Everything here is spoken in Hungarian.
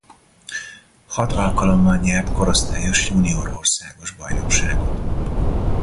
Hat alkalommal nyert korosztályos junior országos bajnokságot.